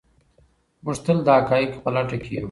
موږ تل د حقایقو په لټه کې یو.